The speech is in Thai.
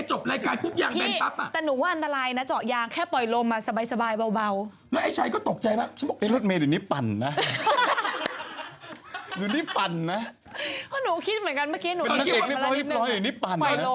จ่อยางอันตรายฉันรู้ว่าเธอทีมงานซะไปลุกน้องเธอเกือบหมด